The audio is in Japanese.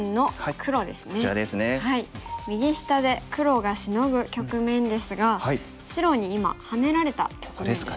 右下で黒がシノぐ局面ですが白に今ハネられた局面ですね。